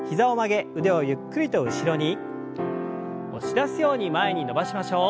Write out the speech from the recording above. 押し出すように前に伸ばしましょう。